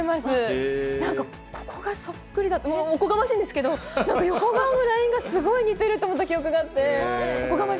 なんか、ここがそっくりだと、おこがましいんですけど、なんか横顔のラインがすごい似てると思った記憶があって。